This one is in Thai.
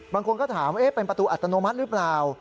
บางคนก็ถามเป็นประตูอัตโนมัติหรือเปล่า